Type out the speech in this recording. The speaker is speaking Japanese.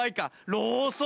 ローソウ。